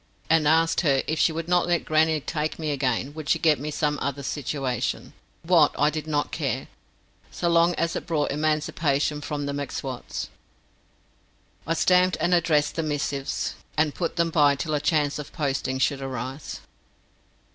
I told my mother I had written thus, and asked her if she would not let grannie take me again, would she get me some other situation? What I did not care, so long as it brought emancipation from the M'Swat's. I stamped and addressed these missives, and put them by till a chance of posting should arise.